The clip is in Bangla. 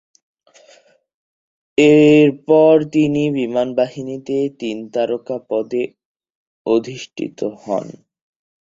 এরপর তিনি বিমান বাহিনীতে তিন তারকা পদে অধিষ্ঠিত হন।